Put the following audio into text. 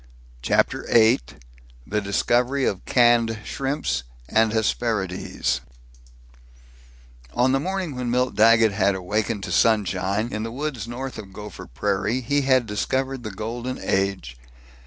CHAPTER VIII THE DISCOVERY OF CANNED SHRIMPS AND HESPERIDES On the morning when Milt Daggett had awakened to sunshine in the woods north of Gopher Prairie, he had discovered the golden age.